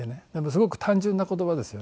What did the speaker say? すごく単純な言葉ですよね。